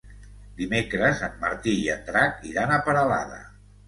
Dimecres en Martí i en Drac iran a Peralada.